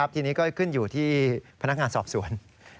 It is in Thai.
ทีนี้ก็ขึ้นอยู่ที่พนักงานสอบสวน